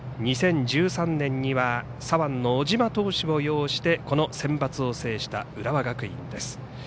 ２０１３年には左腕の小島投手を擁してこのセンバツを制した浦和学院です。